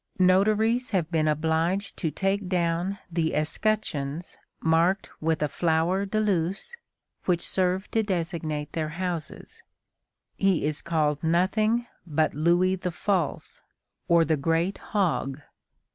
Notaries have been obliged to take down the escutcheons marked with a flower de luce which served to designate their houses. He is called nothing but Louis the False, or the great hog.